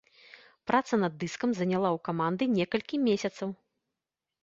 Праца над дыскам заняла ў каманды некалькі месяцаў.